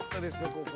ここ。